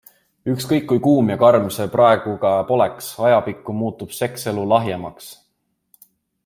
Ükskõik kui kuum ja karm see praegu ka poleks, ajapikku muutub sekselu lahjemaks.